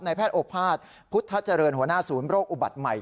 แพทย์โอภาษพุทธเจริญหัวหน้าศูนย์โรคอุบัติใหม่